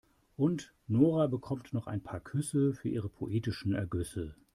Und Nora bekommt noch ein paar Küsse für ihre poetischen Ergüsse.